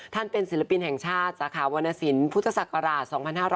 เป็นศิลปินแห่งชาติสาขาวรรณสินพุทธศักราช๒๕๖๐